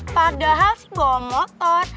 padahal si bawa motor